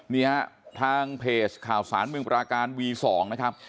นี่ฮะทางเพจข่าวสารเมืองปราการวี๒นะครับ